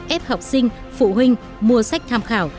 êp học sinh phụ huynh mua sách tham khảo